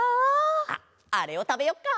あっあれをたべよっか。